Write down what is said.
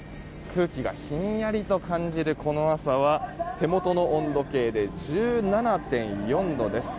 空気がひんやりと感じるこの朝は手元の温度計で１７．４度です。